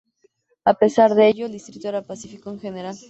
A pesar de ello, el distrito era pacífico en general.